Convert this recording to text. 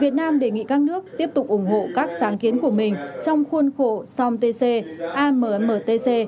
việt nam đề nghị các nước tiếp tục ủng hộ các sáng kiến của mình trong khuôn khổ somtc ammtc